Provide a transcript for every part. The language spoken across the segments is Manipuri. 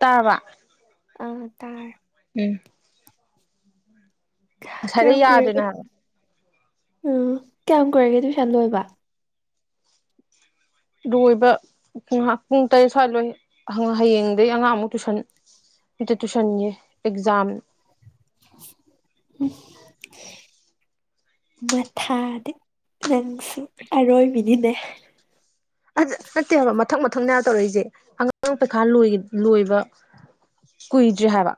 ꯇꯥꯔꯕ ꯑ ꯇꯥꯔꯦ ꯎꯝ ꯀꯌꯥꯝ ꯉꯁꯥꯏꯗꯩ ꯌꯥꯗ꯭ꯔꯤꯅꯦ ꯀꯨꯏꯔꯒꯦ ꯍꯥꯏꯕ ꯎꯝ ꯀꯌꯥꯝ ꯀꯨꯏꯔꯒꯦ ꯇꯨꯏꯁꯟ ꯂꯣꯏꯕ ꯂꯣꯏꯕ ꯉꯍ ꯄꯨꯡ ꯇꯔꯦꯠ ꯁ꯭ꯋꯥꯏ ꯂꯣꯏ ꯍꯌꯦꯡꯗꯩ ꯑꯉꯥꯡ ꯑꯃꯨꯛ ꯇꯨꯏꯁꯟ ꯗꯨ ꯇꯨꯁꯟꯒꯤ ꯑꯦꯛꯖꯥꯝ ꯎꯝ ꯃꯊꯥꯗꯤ ꯅꯪꯁꯨ ꯑꯔꯣꯏꯕꯤꯅꯤꯅꯦ ꯅꯠꯇꯦꯕ ꯃꯊꯪ ꯃꯊꯪ ꯇꯧꯔꯛꯏꯁꯦ ꯑꯉꯥꯡ ꯄꯩꯈꯥ ꯂꯣꯏꯕ ꯀꯨꯏꯗ꯭ꯔꯤ ꯍꯥꯏꯕ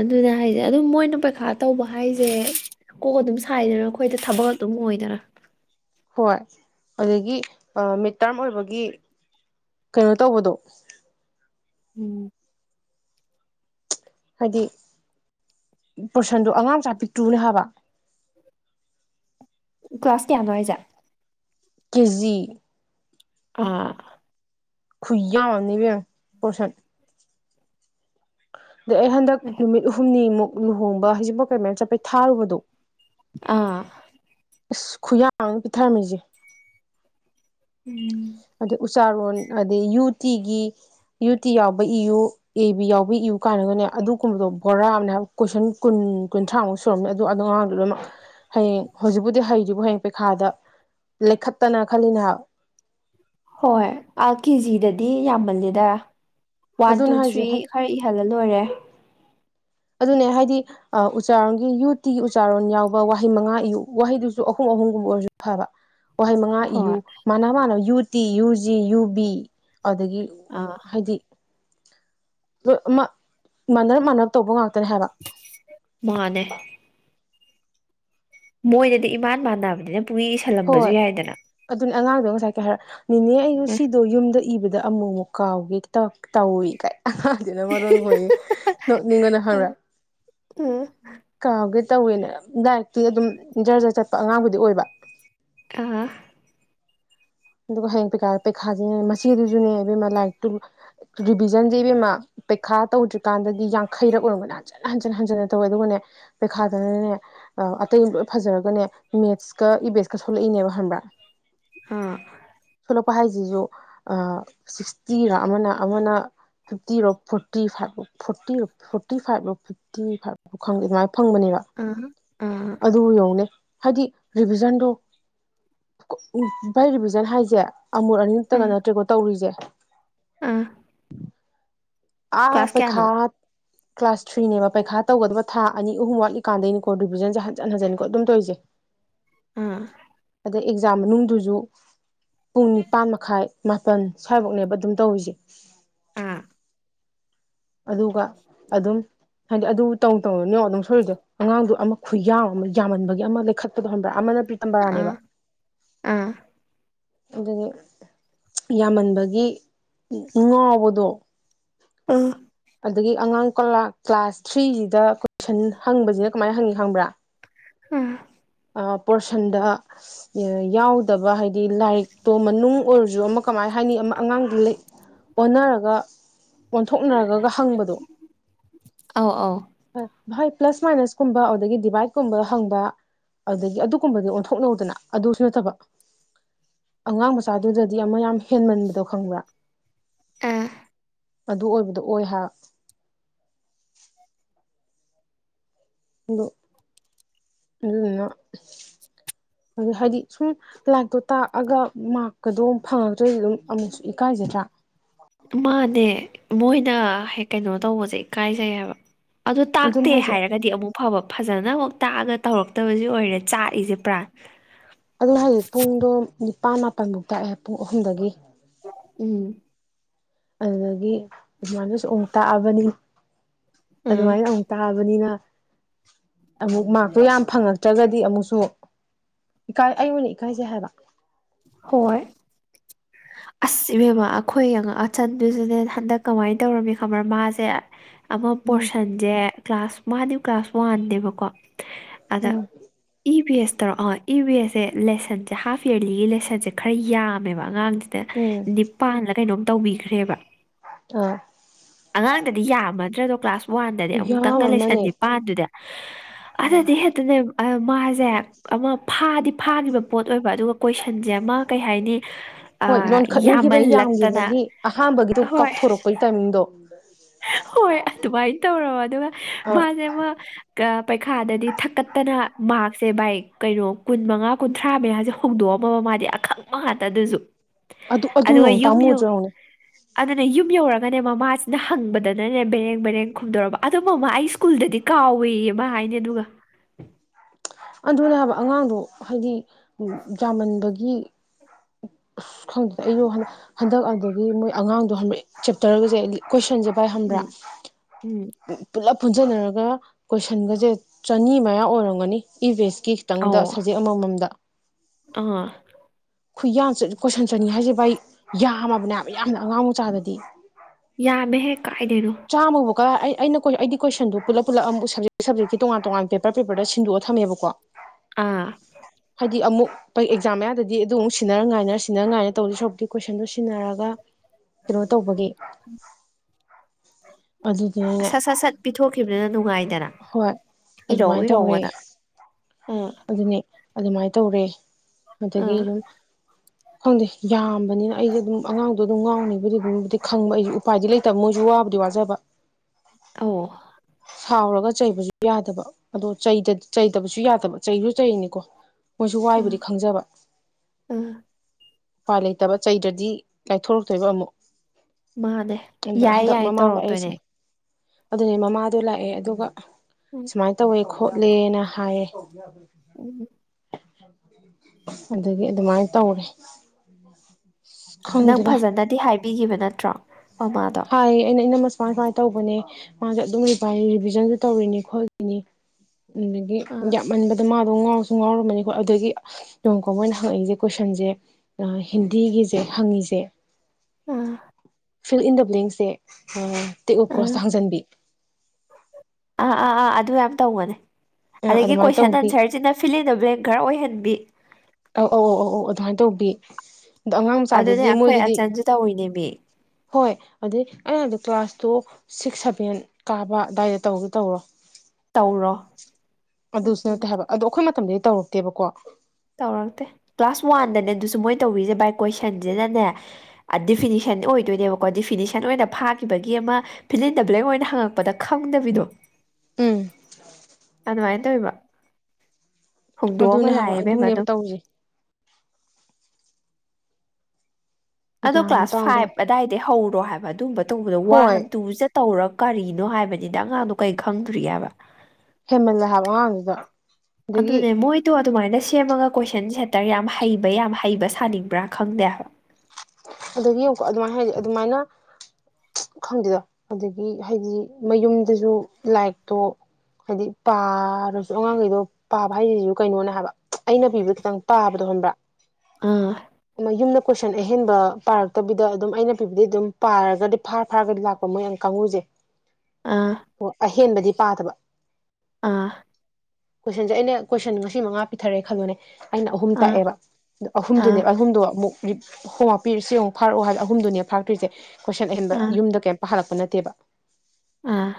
ꯑꯗꯨꯅꯦ ꯍꯥꯏꯁꯦ ꯑꯗꯨꯝ ꯃꯣꯏꯅ ꯄꯩꯈꯥ ꯇꯧꯕ ꯍꯥꯏꯁꯦ ꯀꯣꯛ ꯑꯗꯨꯝ ꯁꯥꯏꯗꯅ ꯑꯩꯈꯣꯏꯗ ꯊꯕꯛ ꯑꯗꯨꯝ ꯑꯣꯏꯗꯔ ꯍꯣꯏ ꯑꯗꯒꯤ ꯃꯤꯠ ꯇꯔꯝ ꯑꯣꯏꯕꯒꯤ ꯀꯩꯅꯣ ꯇꯧꯕꯗꯣ ꯎꯝ ꯍꯥꯏꯗꯤ ꯄꯣꯔꯁꯟꯗꯨ ꯑꯉꯥꯡ ꯃꯆꯥ ꯄꯤꯛꯇꯨꯅꯦ ꯍꯥꯏꯕ ꯀ꯭ꯂꯥꯁ ꯀꯌꯥꯅꯣ ꯍꯥꯏꯁꯦ ꯀꯦꯖꯤ ꯑꯥ ꯈꯨꯢꯌꯥꯝ ꯑꯝꯅꯤ ꯏꯕꯦꯝꯃ ꯄꯣꯁꯠ ꯗꯦ ꯑꯩ ꯍꯟꯗꯛ ꯅꯨꯃꯤꯠ ꯍꯨꯝꯅꯤꯃꯨꯛ ꯂꯨꯍꯣꯡꯕ ꯍꯧꯖꯤꯡꯄꯣꯠꯀ ꯂꯣꯢ ꯆꯠꯄꯩ ꯊꯥꯔꯨꯕꯗꯣ ꯑꯥ ꯑꯁ ꯈꯨꯌꯥ ꯑꯃ ꯄꯤꯊꯔꯝꯃꯤꯖꯦ ꯎꯝ ꯑꯗ ꯎꯆꯥꯔꯣꯟ ꯑꯗꯩ ꯌꯨꯇꯤꯒꯤ ꯌꯨꯇꯤ ꯌꯥꯎꯕ ꯏꯌꯨ ꯑꯦ ꯕꯤ ꯌꯥꯎꯕꯤ ꯏꯌꯨ ꯀꯥꯢꯅꯒꯅꯦ ꯑꯗꯨꯒꯨꯝꯕꯗꯣ ꯕꯣꯔꯥ ꯑꯃꯅꯦ ꯍꯥꯏꯕ ꯀꯣꯏꯁꯟ ꯀꯨꯟ ꯀꯨꯟꯊ꯭ꯔꯥꯃꯨꯛ ꯁꯨꯔꯝꯅꯤ ꯑꯗꯨ ꯑꯗꯣ ꯑꯉꯥꯡꯗꯣ ꯂꯣꯏꯃꯛ ꯍꯌꯦꯡ ꯍꯧꯖꯤꯛꯄꯨꯗꯤ ꯍꯩꯔꯤꯕ ꯍꯌꯦꯡ ꯄꯩꯈꯥꯗ ꯂꯩꯈꯠꯇꯅ ꯈꯂꯤꯅꯦꯍꯞ ꯍꯣꯏ ꯑ ꯀꯦꯖꯤꯗꯗꯤ ꯌꯥꯝꯃꯜꯂꯦꯗ ꯋꯥꯟ ꯇꯨ ꯑꯗꯨꯅ ꯍꯥꯏꯁꯦ ꯊ꯭ꯔꯤ ꯈꯔ ꯏꯍꯜꯂ ꯂꯣꯏꯔꯦ ꯑꯗꯨꯅꯦ ꯍꯥꯏꯗꯤ ꯑ ꯎꯆꯥꯔꯣꯟꯒꯤ ꯌꯨꯇꯤꯒꯤ ꯎꯆꯥꯔꯣꯟ ꯌꯥꯎꯕ ꯋꯥꯍꯩ ꯃꯉꯥ ꯏꯌꯨ ꯋꯥꯍꯩꯗꯨꯁꯨ ꯑꯍꯨꯝ-ꯑꯍꯨꯝꯒꯨꯝꯕ ꯑꯣꯏꯔꯗꯤ ꯐꯕ ꯋꯥꯍꯩ ꯃꯉꯥ ꯏꯌꯨ ꯍꯣꯏ ꯃꯥꯥꯟꯅ-ꯃꯥꯥꯟꯅꯕ ꯌꯨ-ꯇꯤ ꯌꯨ-ꯖꯤ ꯌꯨ-ꯕꯤ ꯑꯗꯒꯤ ꯑꯥ ꯍꯥꯏꯗꯤ ꯂꯣꯏ ꯑꯃ ꯃꯥꯟꯅꯔꯞ ꯃꯥꯟꯅꯔꯞ ꯇꯧꯕ ꯉꯥꯛꯇꯅꯦ ꯍꯥꯏꯕ ꯃꯥꯅꯦ ꯃꯣꯏꯗꯗꯤ ꯏꯃꯥꯟ ꯃꯥꯟꯅꯕꯅꯤꯅ ꯄꯨꯡꯏ ꯏꯁꯜꯂꯝꯕꯁꯨ ꯍꯣꯏ ꯌꯥꯏꯗꯅ ꯑꯗꯨꯅꯦ ꯑꯉꯥꯡꯗꯣ ꯉꯁꯥꯏ ꯀꯩ ꯍꯥꯏꯔꯛ ꯅꯦ-ꯅꯦ ꯑꯩꯩꯗꫭ ꯉꯁꯤꯗꯣ ꯌꯨꯝꯗ ꯏꯕꯗ ꯗ ꯑꯃꯨ ꯑꯃꯨꯛ ꯀꯥꯎꯒꯦ ꯇꯧ ꯇꯧꯏ ꯀꯥꯏ ꯁꯤꯅ ꯃꯔꫭꯟ ꯈꫭꯏꯌꯦ ꯅꫭꯛꯅꯤꯡꯕꯅ ꯑ ꯍꯧꯔꯦ ꯎꯝ ꯀꯥꯎꯒꯦ ꯇꯧꯔꯤꯅꯦ ꯂꯥꯏꯛꯇꯤ ꯑꯗꯨꯝ ꯖꯔ ꯖꯔ ꯆꯠꯄ ꯑꯉꯥꯡꯕꯨꯗꯤ ꯑꯣꯏꯕ ꯑꯥ ꯑꯗꯨꯒ ꯍꯌꯦꯡ ꯄꯩꯈꯥ ꯄꯩꯈꯥꯥꯁꯤꯅ ꯃꯆꯦꯗꯨꯖꯨꯅꯦ ꯏꯕꯦꯝꯃ ꯂꯥꯏꯔꯤꯛꯇꯨꯕꯨ ꯔꯤꯚꯤꯖꯟꯖꯦ ꯏꯕꯦꯝꯃ ꯄꯩꯈꯥ ꯇꯧꯗ꯭ꯔꯤꯀꯥꯟꯗꯗꯤ ꯌꯥꯡꯈꯩꯔꯛ ꯑꯣꯏꯔꯝꯒ ꯍꯟꯖꯤꯟ-ꯍꯟꯖꯤꯟ ꯍꯟꯖꯟꯅ ꯇꯧꯔꯦ ꯑꯗꯨꯒꯅꯦ ꯄꯩꯈꯥꯗꯅꯅꯦ ꯑ ꯑꯇꯩꯅ ꯂꯣꯏ ꯐꯖꯔꯒꯅꯦ ꯃꯦꯠꯁꯀ ꯏ. ꯕꯤ. ꯑꯦꯁ. ꯀ ꯁꫭꯜꯂꯛꯏꯅꯦꯕ ꯈꯪꯕ꯭ꯔꯥ ꯍꯥ ꯁꯣꯂꯛꯄ ꯍꯥꯏꯖꯤꯖꯨ ꯑ ꯁꯤꯛꯁꯇꯤꯔ ꯑꯃꯅ ꯑꯃꯅ ꯐꯤꯚꯇꯤ ꯔꯣꯞ ꯐꯣꯔꯇꯤ ꯐꯥꯏꯕꯔꯣ ꯐꯣꯔꯇꯤ ꯔꯣ ꯐꯣꯔꯇꯤ ꯐꯥꯏꯚ ꯂꯣ ꯐꯤꯚꯇꯤ ꯐꯥꯏꯚ ꯈꯪꯗꯦ ꯑꯗꯨꯃꯥꯏꯅ ꯐꯪꯕꯅꯦꯕ ꯎꯝ ꯑꯗꯨ ꯌꯧꯅꯦ ꯍꯥꯏꯗꯤ ꯔꯤꯚꯤꯖꯟꯗꯣ ꯎ ꯚꯩ ꯔꯤꯚꯤꯖꯟ ꯍꯥꯏꯁꯦ ꯑꯃꯨꯔ ꯑꯅꯤꯃꯛꯇꯒ ꯅꯠꯇ꯭ꯔꯦꯀꯣ ꯇꯧꯔꯤꯁꯦ ꯎꯝ ꯑꯥ ꯄꯩꯈꯥꯍꯠ ꯀ꯭ꯂꯥꯁ ꯊ꯭ꯔꯤꯅꯦꯕ ꯄꯩꯈꯥ ꯇꯧꯒꯗꯕ ꯊꯥ ꯑꯅꯤ ꯑꯍꯨꯝ ꯋꯥꯠꯂꯤꯀꯥꯟꯗꯩꯅꯤꯀꯣ ꯔꯤꯕꯤꯖꯟꯖꯦ ꯍꯟꯖꯟ ꯍꯟꯖꯟꯅꯤꯀꯣ ꯑꯗꯨꯝ ꯇꯧꯔꯤꯖꯦ [inaudible] ꯎꯝ ꯑꯗꯩ ꯑꯦꯛꯖꯥꯝ ꯃꯅꯨꯡꯗꯨꯖꯨ ꯄꯨꯡ ꯅꯤꯄꯥꯟ ꯃꯈꯥꯏ ꯃꯥꯄꯜ ꯁ꯭ꯋꯥꯏꯕꯧꯅꯦꯕ ꯑꯗꯨꯝ ꯇꯧꯔꯤꯖꯦ ꯑꯥ ꯑꯗꯨꯒ ꯑꯗꯨꯝ ꯍꯥꯏꯗꯤ ꯑꯗꯨ ꯇꯧ ꯇꯧꯅꯅꯦꯑꯣ ꯑꯗꯨꯝ ꯁꯣꯏꯔꯤꯖꯦ ꯑꯉꯥꯡꯗꯣ ꯑꯃ ꯈꯨꯌꯥꯝ ꯑꯃ ꯌꯥꯝꯃꯟꯕꯒꯤ ꯑꯃ ꯂꯩꯈꯠꯄꯗꯣ ꯍꯟꯕ꯭ꯔꯥ ꯑꯃꯅ ꯄꯤ ꯑꯥ ꯇꯝꯕꯔꯥꯅꯦꯕ ꯑꯥ ꯑꯥ ꯑꯗꯨꯗꯒꯤ ꯌꯥꯝꯃꯟꯕꯒꯤ ꯉꯥꯎꯕꯗꯣ ꯎꯝ ꯑꯗꯨꯒꯤ ꯑꯉꯥꯡ ꯀꯂꯥ ꯀ꯭ꯂꯥꯁ ꯊ꯭ꯔꯤꯖꯤꯗ ꯀꯣꯏꯁꯟ ꯍꯪꯕꯖꯤꯅ ꯀꯃꯥꯏꯅ ꯍꯪꯉꯤ ꯈꯪꯕ꯭ꯔꯥ ꯑꯥ ꯑꯥ ꯄꯣꯔꯁꯟꯗ ꯌꯥꯎꯗꯕ ꯍꯥꯏꯗꯤ ꯂꯥꯏꯔꯤꯛꯇꯣ ꯃꯅꯨꯡ ꯑꯣꯏꯔꯖꯨ ꯑꯃ ꯀꯃꯥꯏ ꯍꯥꯏꯅꯤ ꯑꯃ ꯑꯉꯥꯡꯗꯨ ꯂꯩ ꯑꯣꯟꯅꯔꯒ ꯑꯣꯟꯊꯣꯛꯅꯔꯒꯒ ꯍꯪꯕꯗꯣ ꯑꯧ ꯑꯧ ꯍꯣꯏ ꯑꯄ꯭ꯂꯁ ꯃꯥꯏꯅꯁ ꯀꯨꯝꯕ ꯑꯗꯨꯗꯒꯤ ꯗꯤꯚꯥꯏꯠ ꯀꯨꯝꯕ ꯍꯪꯕ ꯑꯗꯒꯤ ꯑꯗꯨꯒꯨꯝꯕꯗꯣ ꯑꯣꯟꯊꯣꯛꯅꯧꯗꯅ ꯑꯗꯨꯁꯨ ꯅꯠꯇꯕ ꯑꯉꯥꯡ ꯃꯆꯥꯗꯨꯗꯗꯤ ꯑꯃ ꯌꯥꯝ ꯍꯦꯟꯃꯟꯕꯗꯣ ꯈꯪꯕ꯭ꯔꯥ ꯑꯥ ꯑꯗꯨ ꯑꯣꯏꯕꯗꯣ ꯑꯣꯏ ꯍꯥꯏꯕ ꯑꯗꯣ ꯑꯗꯨꯗꯨꯅ ꯑꯗꯨ ꯍꯥꯏꯗꯤ ꯁꯨꯝ ꯂꯥꯏꯔꯤꯛꯇꯣ ꯇꯥꯛꯑꯒ ꯃ꯭ꯔꯛꯀꯗꯣ ꯐꯪꯉꯛꯇ꯭ꯔꯗꯤ ꯑꯗꯨꯝ ꯑꯃꯨꯛꯁꯨ ꯏꯀꯥꯏꯖꯗ꯭ꯔꯥ ꯃꯥꯅꯦ ꯃꯣꯏꯅ ꯍꯦꯛ ꯀꯩꯅꯣ ꯇꯧꯕꯁꯦ ꯏꯀꯥꯏꯖꯩ ꯍꯥꯏꯕ ꯑꯗꯨ ꯑꯗꯨꯅ ꯇꯥꯛꯇꯦ ꯍꯥꯏꯁꯦ ꯍꯥꯏꯔꯒꯗꯤ ꯑꯃꯨꯛ ꯐꯕ ꯐꯖꯅ ꯑꯃꯨꯛ ꯇꯥꯛꯑꯒ ꯇꯧꯔꯛꯇꯕꯖꯤ ꯑꯣꯏꯔꯦ ꯆꯥꯛꯏꯖꯦ ꯄ꯭ꯔꯥꯟ ꯑꯩꯅ ꯍꯥꯏꯗꯤ ꯄꯨꯡꯗꯣ ꯅꯤꯄꯥꯜ ꯃꯥꯄꯟꯕꯨꯛ ꯇꯥꯛꯑꯦ ꯄꯨꯡ ꯑꯍꯨꯝꯗꯒꯤ ꯎꯝ ꯑꯗꯨꯗꯒꯤ ꯑꯗꯨꯃꯥꯏꯅꯁꯨ ꯑꯃꯨꯛ ꯇꯥꯛꯑꯕꯅꯤ ꯎꯝ ꯑꯗꯨꯃꯥꯏꯅ ꯑꯃꯨꯛ ꯇꯥꯛꯑꯕꯅꯤ [unintelligible] ꯑꯃꯨꯛ ꯃꯥꯔꯛꯇꯣ ꯌꯥꯝ ꯐꯪꯉꯛꯇ꯭ꯔꯒꯗꯤ ꯑꯃꯨꯛꯁꯨ ꯏꯀꯥꯏ ꯑꯩ ꯑꯣꯏꯅ ꯏꯀꯥꯏꯖꯩ ꯍꯥꯏꯕ ꯍꯣꯏ ꯑꯁ ꯏꯕꯦꯝꯃ ꯑꯈꯣꯏ ꯑꯛ ꯑꯆꯟꯗꯨꯁꯨꯅꯦ ꯍꯟꯗꯛ ꯀꯃꯥꯏꯅ ꯇꯧꯔꯝꯃꯤ ꯈꯕ꯭ꯔ ꯃꯥꯁꯦ ꯑꯃ ꯎꯝ ꯄꯣꯔꯁꯟꯖꯦ ꯀ꯭ꯂꯥꯁ ꯃꯥꯗꯤ ꯀ꯭ꯂꯥꯁ ꯋꯥꯟꯅꯦꯕꯀꯣ ꯑꯗ ꯎꯝ ꯏ ꯚꯤ ꯑꯦꯁ ꯇꯔꯣꯑꯣ ꯑ ꯏ ꯕꯤ ꯑꯦꯁꯁꯦ ꯂꯦꯁꯟꯁꯦ ꯍꯥꯐ ꯏꯌꯔꯂꯤꯒꯤ ꯂꯦꯁꯟꯁꯦ ꯈꯔ ꯌꯥꯝꯃꯦꯕ ꯑꯉꯥꯡꯁꯦ ꯑꯗ ꯎꯝ ꯅꯤꯄꯥꯟꯂ ꯀꯩꯅꯣꯝ ꯇꯧꯕꯤꯈ꯭ꯔꯦꯕ ꯑꯥ ꯑꯉꯥꯡꯗꯗꯤ ꯌꯥꯝꯃꯗ꯭ꯔꯗꯣ ꯀ꯭ꯂꯥꯁ ꯋꯥꯟꯗꯗꯤ ꯈꯨꯌꯥꯝ ꯑꯃꯨꯛꯇꯪꯗ ꯂꯩꯁꯟ ꯑꯃꯅꯦ ꯅꯤꯄꯥꯟꯗꯨꯗ ꯃꯥꯅꯦ ꯑꯗꯗꯤ ꯍꯦꯛꯇꯅꯦ ꯑ ꯃꯥꯖꯦ ꯑꯃ ꯐꯥꯗꯤ ꯐꯥꯈꯤꯕ ꯄꯣꯠ ꯑꯣꯏꯕ ꯑꯗꯨꯒ ꯀꯣꯏꯁꯟꯁꯦ ꯑꯃ ꯀꯩ ꯍꯥꯏꯅꯤ ꯑ, ꯍꯣꯏ ꯂꯣꯟꯈꯠꯅꯈꯤꯕꯩ ꯌꯥꯝꯃꯜꯂꯛꯇꯅ ꯌꯥꯝꯒꯤꯕꯒꯤ ꯑꯍꯥꯟꯕꯒꯤꯗꯣ ꯍꯣꯏ ꯀꯥꯎꯊꯣꯔꯛꯄꯒꯤ ꯇꯥꯏꯃꯤꯡꯗꯣ ꯍꯣꯏ ꯑꯗꯨꯃꯥꯏꯅ ꯇꯧꯔꯕ ꯑꯗꯨꯒ ꯑꯥ ꯃꯥꯖꯦ ꯑꯃꯥ ꯀ ꯄꯩꯈꯥꯗꯗꯤ ꯊꯛꯀꯠꯇꯅ ꯃꯥꯔꯛꯁꯦ ꯕꯥꯏ ꯀꯩꯅꯣ ꯀꯨꯟ ꯃꯉꯥ ꯀꯨꯟꯊ꯭ꯔꯥ ꯃꯌꯥꯖꯦ ꯍꯨꯟꯗꯣꯛꯑꯝꯃꯕ ꯃꯥꯗꯤ ꯑꯈꯪꯕ ꯉꯥꯛꯇ ꯑꯗꯨꯖꯨ ꯑꯗꯨ ꯑꯗꯨ ꯑꯗꯨꯒ ꯌꯦꯡꯉꯨ ꯌꯨꯝ ꯌꯧ ꯄꯥꯝꯃꯨꯗ꯭ꯔꯣ ꯌꯦꯡꯉꯨꯅꯦ ꯑꯗꯨꯅꯦ ꯌꯨꯝ ꯌꯧꯔꯒꯅꯦ ꯃꯃꯥ ꯁꯤꯅ ꯍꯪꯕꯗꯅꯅꯦ ꯕꯔꯦꯡ ꯕꯔꯦꯡ ꯈꯨꯝꯗꯣꯔꯕ ꯑꯗꯨ ꯃꯃꯥ ꯑꯩ ꯁ꯭ꯀꯨꯜꯗꯗꯤ ꯀꯥꯎꯏ ꯃꯥ ꯍꯥꯏꯅꯤ ꯑꯗꯨꯒ ꯑꯗꯨꯅꯦ ꯍꯥꯏꯕ ꯑꯉꯥꯡꯗꯣ ꯍꯥꯏꯗꯤ ꯌꯥꯝꯃꯟꯕꯒꯤ [unintelligible] ꯁꯨ ꯈꯪꯗꯦꯗ ꯑꯩꯖꯨ ꯍꯟꯗꯛ ꯍꯟꯗꯛ ꯑꯗꯒꯤ ꯃꯣꯏ ꯑꯉꯥꯡꯗꯣ ꯍꯟ ꯃꯣꯏ ꯆꯦꯞꯇꯔꯒꯖꯦ ꯀꯣꯏꯁꯟꯖꯦ ꯕꯥꯏ ꯍꯝꯕ꯭ꯔꯥ ꯎꯝ ꯎꯝ ꯄꯨꯂꯞ ꯄꯨꯟꯁꯤꯟꯅꯔꯒ ꯀꯣꯏꯁꯟꯒꯖꯦ ꯆꯅꯤ ꯃꯌꯥ ꯑꯣꯏꯔꯝꯒꯅꯤ ꯏ ꯕꯤ ꯑꯦꯁꯀꯤ ꯇꯪꯗ ꯑꯧ ꯁꯕꯖꯦꯛ ꯑꯃꯃꯝꯗ ꯑꯥ ꯈꯨꯌꯥꯠꯆꯦ ꯀꯣꯏꯁꯟ ꯆꯅꯤ ꯍꯥꯏꯖꯦ ꯚꯥꯏ ꯌꯥꯝꯃꯕꯅꯦ ꯍꯥꯏꯕ ꯌꯥꯝꯅ ꯑꯉꯥꯡ ꯃꯆꯥꯗꯗꯤ ꯌꯥꯝꯃꯦꯍꯦ ꯀꯥꯏꯗꯩꯅꯣ ꯆꯥꯝꯃꯕꯨ ꯀꯔꯥꯏ ꯑꯩ ꯑꯩꯅ ꯀ‌ꯣꯏ ꯑꯗꯩ ꯀ‌ꯣꯏꯁꯟ ꯗꯨ ꯄꯨꯂꯞ ꯄꯨꯂꯞ ꯑꯃꯨꯛ ꯁꯕꯖꯦꯛ ꯁꯕꯖꯦꯛ ꯀꯤ ꯇ‌ꯣꯉꯥꯟ ꯇꯣꯉꯥꯟ ꯄꯦꯄꯔ ꯄꯦꯄꯔꯗ ꯁꯤꯟꯗꯣꯛꯑ ꯊꯝꯃꯦꯕꯀꯣ ꯑꯥ ꯍꯥꯏꯗꯤ ꯑꯃꯨꯛ ꯄꯩ ꯑꯦꯛꯖꯥꯝ ꯑꯌꯥꯗꯗꯤ ꯑꯗꯨꯝꯨꯛ ꯁꯤꯟꯅꯔ ꯉꯥꯏꯅꯔ ꯁꯤꯟꯅꯔ ꯉꯥꯏꯅ ꯇꯧꯗ‌ꯣꯏ ꯁꯔꯨꯛꯄꯨꯗꯤ ꯀꯣꯏꯁꯟꯗꯣ ꯁꯤꯟꯅꯔꯒ ꯀꯩꯅꯣ ꯇꯧꯕꯒꯤ ꯑꯗꯨꯗꯨꯅꯅꯦ ꯑꯁꯥ ꯁꯥ ꯁꯥꯠ ꯄꯤꯊꯣꯛꯈꯤꯕꯅ ꯅꯨꯉꯥꯏꯗꯅ ꯍꯣꯏ ꯏꯔꯧ ꯏꯔꯧ ꯑꯅꯥ ꯎꯝ ꯑꯗꯨꯅ‌ꯦ ꯑꯗꯨꯃꯥꯏ ꯇꯧꯔꯦ ꯑꯗꯒꯤ ꯑꯥ ꯑꯗꯨꯝ ꯈꯪꯗꯦ ꯌꯥꯝꯕꯅꯤꯅ ꯑꯩꯖ‌ꯦ ꯑꯗꯨꯝ ꯑꯉꯥꯡꯗꯣ ꯑꯗꯨꯝ ꯉꯥꯎꯔꯅꯤꯕꯨꯗꯤ ꯑꯗꯨꯝꯕꯨꯗꯤ ꯈꯪꯕ ꯑꯩꯖꯨ ꯎꯄꯥꯏꯗꯤ ꯂꯩꯇꯕ ꯃꯣꯏꯖꯨ ꯋꯥꯕꯨꯗꯤ ꯋꯥꯖꯕ ꯑꯧ ꯁꯥꯎꯔꯒ ꯆꯩꯕꯁꯨ ꯌꯥꯗꯕ ꯑꯗꯣ ꯆꯩꯗ ꯆꯩꯗꯕꯁꯨ ꯌꯥꯗꯕ ꯆꯩꯖꯨ ꯆꯩꯅꯤꯀꯣ ꯃꯣꯏꯁꯨ ꯋꯥꯏꯕꯨꯗꯤ ꯈꯪꯖꯕ ꯑꯥ ꯄꯥꯏ ꯂꯩꯇꯕ ꯆꯩꯗ꯭ꯔꯗꯤ ꯀꯥꯏꯊꯣꯔꯛꯇꯣꯏꯕ ꯑꯃꯨꯛ ꯃꯥꯅꯦ ꯑꯗ ꯌꯥꯏ ꯍꯟꯇꯛ ꯌꯥꯏ ꯃꯃꯥꯗ ꯇꯧꯔꯛꯇꯣꯏꯅꯦ ꯑꯩꯁ‌ꯦ ꯑꯗꯨꯅꯦ ꯃꯃꯥꯗꯣ ꯂꯥꯛꯑꯦ ꯑꯗꯨꯒ ꯎꯝ ꯁꯨꯃꯥꯏꯟ ꯇꯧꯋꯦ ꯈꯣꯠꯂꯦꯅ ꯍꯥꯏꯌꯦ ꯎꯝ ꯑꯗꯨꯒꯤ ꯑꯗꯨꯃꯥꯏꯟ ꯇꯧꯔꯦ ꯅꯪ ꯈꯪꯗꯦꯗ ꯐꯖꯅꯗꯤ ꯍꯥꯏꯕꯤꯒꯤꯕ ꯅꯠꯇ꯭ꯔꯣ ꯃꯃꯥꯗꯣ ꯍꯥꯏꯌꯦ ꯑꯩꯅ ꯏꯅꯝꯃ ꯁꯨꯃꯥꯏ ꯁꯨꯃꯥꯏ ꯇꯧꯕꯅꯦ ꯃꯥꯖ‌ꯦ ꯑꯗꯨꯝ ꯔꯤꯕꯥꯏ ꯔꯤꯚꯥꯖꯟꯖꯨ ꯇꯧꯔꯤꯅꯤ ꯈꯣꯠꯂꯤꯅꯤ ꯑꯗꯒꯤ ꯑꯥ ꯌꯥꯃꯟꯕ ꯗ ꯃꯥꯗꯣ ꯉꯥꯎꯁꯨ ꯉꯥꯎꯔꯝꯃꯅꯤꯀꯣ ꯑꯗꯒꯤ ꯌ‌ꯣꯡ ꯀꯣ ꯃꯣꯏꯅ ꯍꯉꯛꯏꯖ‌ꯦ ꯀꯣꯏꯁꯟꯖ‌ꯦ ꯑꯥ ꯍꯤꯟꯗꯤꯒꯤꯖ‌ꯦ ꯍꯪꯉꯤꯖ‌ꯦ ꯑꯥ ꯐꯤꯜ ꯏꯟ ꯗ ꯕ꯭ꯂꯦꯡꯁꯦ ꯑꯥ ꯇꯤꯛ ꯑꯣ ꯑꯥ ꯀ꯭ꯔꯣꯁꯇ ꯍꯪꯖꯟꯕꯤ ꯑꯥ ꯑꯥ ꯑꯥ ꯑꯗꯨ ꯌꯥꯝ ꯇꯧꯕꯅꯦ ꯑ ꯑꯗꯒꯤ ꯑꯗꯨꯃꯥꯏꯅ ꯀꯣꯏꯁꯟ ꯇꯧꯕꯤ ꯑꯟꯁꯔꯖꯤꯅ ꯐꯤꯜ ꯏꯟꯗ ꯕ꯭ꯂ‌ꯦꯡ ꯈꯔꯥ ꯑꯣꯏꯍꯟꯕꯤ ꯑꯧ ꯑꯧ ꯑꯧ ꯑꯧ ꯑꯧ ꯑꯗꯨꯃꯥꯏꯟ ꯇꯧꯕꯤ ꯑꯗꯣ ꯑꯉꯥꯡ ꯑꯗꯨꯅꯦ ꯃꯆꯥꯗꯨꯗꯤ ꯑꯩꯈꯣꯏ ꯃꯣꯏꯗꯗꯤ ꯑꯆꯟꯁꯨ ꯇꯧꯔꯤꯅꯦꯃꯤ ꯍꯣꯏ ꯑꯗꯩ ꯑꯩ ꯍꯥꯏꯕꯗꯤ ꯀ꯭ꯂꯥꯁ ꯇꯣ ꯁꯤꯛꯁ ꯁꯚꯦꯟ ꯀꯥꯕ ꯑꯗꯥꯏꯗ ꯇꯧꯒꯦ ꯇꯧꯔꯣ ꯇꯧꯔꯣ ꯑꯗꯨꯁꯨ ꯅꯠꯇꯦ ꯑꯗꯨꯅꯦ ꯍꯥꯏꯕ ꯑꯗꯣ ꯑꯈꯣꯏ ꯃꯇꯝꯗꯗꯤ ꯇꯧꯔꯛꯇꯦꯕꯀꯣ ꯇꯧꯔꯛꯇꯦ ꯀ꯭ꯂꯥꯁ ꯋꯥꯟꯗꯅꯦ ꯑꯗꯨꯁꯨ ꯃꯣꯏ ꯇꯧꯕꯤꯔꯤꯖ‌ꯦ ꯕꯥꯏ ꯀꯣꯏꯁꯟꯖꯤꯅꯅꯦ ꯑꯥ ꯗꯤꯐꯤꯅꯤꯁꯟ ꯑꯣꯏꯗꯣꯏꯅꯦꯕꯀꯣ ꯗꯤꯐꯤꯅꯤꯁꯟ ꯑꯣꯏꯅ ꯐꯥꯈꯤꯕꯒꯤ ꯑꯃꯥ ꯐꯤꯜ ꯏꯟꯗ ꯕ꯭ꯂꯦꯡ ꯑꯣꯏꯅ ꯍꯪꯉꯛꯄꯗ ꯈꯪꯗꯕꯤꯗꯣ ꯎꯝ ꯑꯗꯨꯃꯥꯏꯟ ꯇ‌ꯧꯏꯕ ꯑꯗꯨꯅꯦ ꯍꯥꯏꯕ ꯑꯗꯨꯅꯦꯕ ꯇꯧꯔꯤꯖ‌ꯦ ꯑꯗꯣ ꯒ꯭ꯌꯥꯟ ꯑꯃ ꯀ꯭ꯂꯥꯁ ꯇꯥꯗꯦ ꯐꯥꯏꯚ ꯑꯗꯥꯏꯗꯩ ꯍꯧꯔꯣ ꯍꯥꯏꯕ ꯑꯗꯨꯝꯕ ꯇꯧꯕꯗꯣ ꯋꯥꯟ ꯍꯣꯏ ꯇꯨ ꯖꯠ ꯇꯧꯔ ꯀꯔꯤꯅꯣ ꯍꯥꯏꯕꯅꯤꯗ ꯑꯉꯥꯡꯗꯣ ꯀꯩ ꯈꯪꯗ꯭‌ꯣꯔꯤꯒ‌ꯦ ꯍꯥꯏꯕ ꯍꯦꯃꯟꯂ‌ꯦ ꯍꯥꯏꯕ ꯑꯉꯥꯡꯗꯨꯗ ꯑꯗꯒꯤ ꯑꯗꯨꯅꯦ ꯃꯣꯏ ꯇ‌ꯣ ꯑꯗꯨꯃꯥꯏꯅ ꯁꯦꯝꯃꯒ ꯀꯣꯏꯁꯟ ꯁꯦꯟꯇꯔ ꯌꯥꯝ ꯍꯩꯕ ꯌꯥꯝ ꯍꯩꯕ ꯁꯥꯅꯤꯡꯕ꯭ꯔꯥ ꯈꯪꯗꯦ ꯑꯗꯒꯤ ꯌꯦꯉꯨꯀꯣ ꯑꯗꯨꯃꯥꯏꯅ ꯍꯥꯏ ꯑꯗꯨꯃꯥꯏꯅ ꯈꯪꯗꯦꯗ ꯑꯗꯒꯤ ꯍꯥꯏꯗꯤ ꯃꯌꯨꯝꯗꯖꯨ ꯂꯥꯏꯛꯇꯣ ꯍꯥꯏꯗꯤ ꯄꯥꯔꯖꯨ ꯑꯉꯥꯡꯒꯩꯗꯣ ꯄꯥꯕ ꯍꯥꯏꯖꯤꯖꯨ ꯀꯩꯅꯣꯅꯦ ꯍꯥꯏꯕ ꯑꯩꯅ ꯄꯤꯕ ꯈꯤꯇꯪ ꯄꯥꯕꯗꯣ ꯈꯝꯕ꯭ꯔꯥ ꯑꯥ ꯃꯌꯨꯝꯗ ꯀꯣꯏꯁꯟ ꯑꯍꯦꯟꯕ ꯄꯥꯔꯛꯇꯕꯤꯗ ꯑꯗꯨꯝ ꯑꯩꯅ ꯄꯤꯕꯗ ꯑꯗꯨꯝ ꯄꯥꯔꯒꯗꯤ ꯐꯥꯔ ꯐꯥꯔꯒꯗꯤ ꯂꯥꯛꯄ ꯃꯣꯏ ꯀꯥꯡꯕꯨꯁꯦ [unintelligible] ꯑꯥ ꯑꯣ ꯑꯍꯦꯟꯕꯗꯤ ꯄꯥꯗꯕ ꯑꯥ ꯀꯣꯏꯁꯟꯁꯦ ꯑꯩꯅ ꯀꯣꯏꯁꯟ ꯉꯁꯤ ꯃꯉꯥ ꯄꯤꯊꯔꯦ ꯈꯜꯂꯣꯅꯦ ꯑꯩꯅ ꯑꯍꯨꯝ ꯑꯥ ꯇꯥꯛꯑꯦꯕ ꯑ ꯑꯥ ꯑꯍꯨꯝꯗꯨꯅꯦ ꯑꯍꯨꯝꯗꯣ ꯑꯃꯨꯛ ꯍꯣꯝꯋꯛꯄꯤꯔ ꯁꯤ ꯑꯃꯨꯛ ꯐꯥꯔꯛꯑꯣ ꯍꯥꯏꯕ ꯑꯍꯨꯝꯗꯨꯅꯦ ꯐꯥꯔꯛꯇ꯭ꯔꯤꯁꯦ ꯀꯣꯏꯁꯟ ꯑꯍꯦꯟꯕ ꯑꯥ ꯌꯨꯝꯗ ꯀꯩꯝ ꯄꯍꯜꯂꯛꯄ ꯅꯠꯇꯦꯕ ꯑꯥ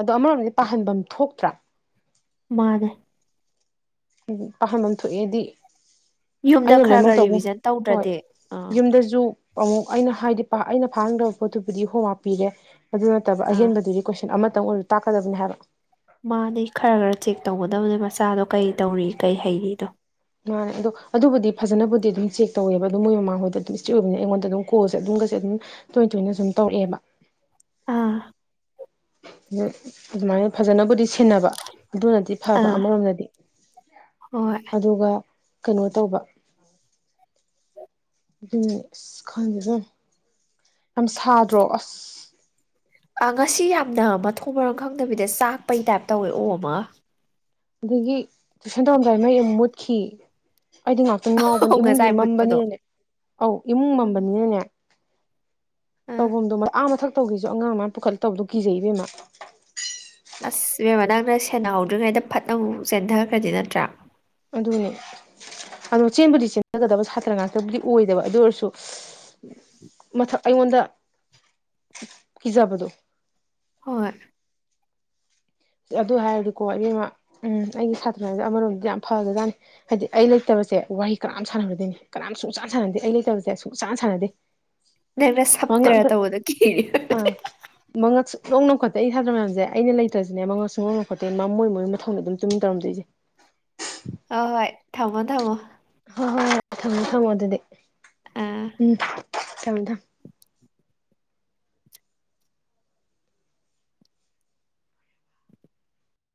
ꯑꯗꯣ ꯑꯃꯔꯣꯝꯗꯗꯤ ꯄꯥꯍꯟꯐꯝ ꯊꯣꯛꯇ꯭ꯔꯥ ꯃꯥꯅꯦ ꯄꯥꯍꯟꯕꯝ ꯊꯣꯛꯑꯦꯗꯤ ꯌꯨꯝꯗ ꯑꯩꯅ ꯈꯔ ꯈꯔ ꯔꯤꯚꯤꯖꯟ ꯇꯧꯗ꯭ꯔꯗꯤ ꯑꯥ ꯟꯗꯁꯨ ꯑꯃꯨꯛ ꯑꯩꯅ ꯍꯥꯏꯗꯤ ꯑꯩꯅ ꯐꯥꯍꯟꯈꯔꯥꯕ ꯄꯣꯠꯇꯨꯕꯨꯗꯤ ꯍꯣꯝꯋꯛ ꯄꯤꯔꯦ ꯑꯗꯨ ꯅꯠꯇꯕ ꯑꯥ ꯑꯍꯦꯟꯕꯗꯨꯗꯤ ꯀꯣꯏꯁꯟ ꯑꯃꯇꯪ ꯑꯣꯏꯔ ꯇꯥꯛꯀꯗꯕꯅꯦ ꯍꯥꯏꯕ ꯃꯥꯅꯦ ꯈꯔ ꯈꯔ ꯆꯦꯛ ꯇꯧꯒꯗꯕꯅꯦ ꯃꯆꯥꯗꯣ ꯀꯩ ꯇꯧꯔꯤ ꯀꯩ ꯍꯩꯔꯤꯗꯣ ꯃꯥꯅꯦ ꯑꯗꯣ ꯑꯗꯨꯕꯨꯗꯤ ꯐꯖꯅꯕꯨꯗꯤ ꯑꯗꯨꯝ ꯆꯦꯛ ꯇꯧꯋꯦꯕ ꯑꯗꯨꯝ ꯃꯣꯏ ꯃꯃꯥꯍꯣꯏꯗꯤ ꯑꯗꯨꯝ ꯏꯁꯇ꯭ꯔꯤꯛ ꯑꯣꯏꯕꯅꯤ ꯑꯩꯉꯣꯟꯗ ꯑꯗꯨꯝ ꯀꯣꯜꯁꯦ ꯑꯗꯨꯝꯒꯁꯦ ꯑꯗꯨꯝ ꯇꯣꯏ ꯇꯣꯏꯅ ꯁꯨꯝ ꯇꯧꯔꯛꯑꯦꯕ ꯑꯥ ꯑꯗꯨꯃꯥꯏꯅ ꯐꯖꯅꯕꯨꯗꯤ ꯁꯦꯟꯅꯕ ꯑꯗꯨꯅꯗꯤ ꯐꯕ ꯑꯥ ꯑꯃꯔꯣꯝꯗꯗꯤ ꯍꯣꯏ ꯑꯗꯨꯒ ꯀꯩꯅꯣ ꯇꯧꯕ ꯑꯗꯨꯅꯦ ꯑꯁ ꯈꯪꯗ꯭ꯔꯦ ꯌꯥꯝ ꯁꯥꯗ꯭ꯔꯣ ꯑꯁ ꯑꯒꯁꯁꯤ ꯌꯥꯝꯅ ꯃꯊꯣꯡ ꯃꯔꯝ ꯈꯪꯗꯕꯤꯗ ꯆꯥꯛꯄꯩ ꯇꯥꯏꯞ ꯇꯧꯋꯦ ꯑꯣ ꯃ ꯑꯗꯒꯤ ꯇꯨꯏꯁꯟ ꯇꯧꯔꯝꯗꯥꯏ ꯃꯩ ꯑꯃꯨꯛ ꯃꯨꯠꯈꯤ ꯑꯩꯗꯤ ꯉꯥꯛꯇꯪ ꯉꯥꯎꯕꯅꯦ ꯏꯃꯨꯡꯁꯦ ꯉꯁꯥꯏ ꯃꯨꯠꯄꯗꯣ ꯃꯝꯕꯅꯤꯅꯅꯦ ꯑꯧ ꯏꯃꯨꯡ ꯃꯝꯕꯅꯤꯅꯅꯦ ꯑꯥ ꯇꯧꯐꯝꯗꯣ ꯑꯥ ꯃꯊꯛ ꯇꯧꯒꯦꯁꯨ ꯑꯉꯥꯡ ꯃꯌꯥꯝ ꯄꯨꯈꯠꯂ ꯇꯧꯕꯗꯣ ꯀꯤꯖꯩ ꯏꯕꯦꯝꯃ ꯑꯁ ꯏꯕꯦꯝꯃ ꯅꯪꯅ ꯁꯦꯟꯅꯍꯧꯗ꯭ꯔꯤꯉꯩꯗ ꯐꯠ ꯑꯃꯨꯛ ꯆꯦꯟꯗꯈ꯭ꯔꯗꯤ ꯅꯠꯇ꯭ꯔꯥ ꯑꯗꯨꯅꯦ ꯑꯗꯣ ꯆꯦꯟꯕꯨꯗꯤ ꯆꯦꯟꯗꯒꯗꯕ ꯁꯥꯇ꯭ꯔ ꯉꯥꯛꯇꯕꯨꯗꯤ ꯑꯣꯏꯗꯕ ꯑꯗꯨ ꯑꯣꯏꯔꯁꯨ ꯃꯊꯛ ꯑꯩꯉꯣꯟꯗ ꯀꯤꯖꯕꯗꯣ ꯍꯣꯏ ꯑꯗꯨ ꯍꯥꯏꯔꯗꯤꯀꯣ ꯏꯕꯦꯝꯃ ꯎꯝ ꯑꯩꯒꯤ ꯁꯥꯇ꯭ꯔ ꯃꯌꯥꯝꯁꯦ ꯑꯃꯔꯣꯝꯗꯗꯤ ꯌꯥꯝ ꯐꯒꯖꯥꯠꯅꯤ ꯍꯥꯏꯗꯤ ꯑꯩ ꯂꯩꯇꯕꯁꯦ ꯋꯥꯍꯩ ꯀꯅꯥꯝ ꯁꯥꯟꯅꯔꯣꯏꯗꯣꯏꯅꯤ ꯀꯅꯥꯝ ꯁꯨꯡꯁꯥꯟ ꯁꯥꯟꯅꯗꯦ ꯑꯩ ꯂꯩꯇꯕꯖꯦ ꯁꯨꯡꯁꯥꯟ ꯁꯥꯟꯅꯗꯦ [inaudible] ꯅꯪꯅ ꯃꯉꯛ ꯁꯞꯇ꯭ꯔ ꯑꯝꯇ ꯇꯧꯕꯗ ꯀꯤꯔꯤ ꯑꯥ ꯑꯣꯏꯔꯝꯅꯤ ꯃꯉꯛ ꯁꯨꯡꯅꯣꯡ ꯅꯣꯡꯈꯠꯇꯦ ꯑꯩ ꯁꯥꯇ꯭ꯔꯥ ꯃꯌꯥꯝꯖꯦ ꯑꯩꯅ ꯂꯩꯇ꯭ꯔ ꯖꯨꯅꯦ ꯃꯉꯛ ꯁꯨꯡꯅꯣꯡ ꯅꯣꯡꯈꯠꯇꯦ ꯃꯥ ꯃꯣꯏ ꯃꯣꯏ ꯃꯊꯧꯅꯦ ꯑꯗꯨꯝ ꯇꯨꯃꯤꯟ ꯇꯧꯔꯝꯗꯨꯏꯖꯦ ꯑ ꯍꯣꯏ ꯊꯝꯃꯣ ꯊꯝꯃꯣ ꯍꯣꯏ ꯍꯣꯏ ꯍꯣꯏ ꯊꯝꯃꯣ ꯊꯝꯃꯣ ꯑꯗꯨꯗꯤ ꯑꯥ ꯎꯝ ꯊꯝꯃꯦ ꯊꯝꯃꯦ